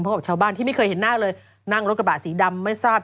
กับชาวบ้านที่ไม่เคยเห็นหน้าเลยนั่งรถกระบะสีดำไม่ทราบ